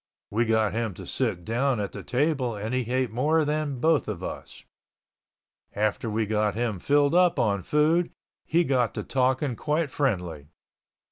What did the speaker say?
We got him to sit down at the table and he ate more than both of us. After we got him filled up on food he got to talking quite friendly.